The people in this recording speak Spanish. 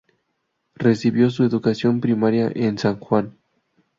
Recibió su educación primaria en San Juan.